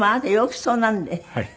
はい。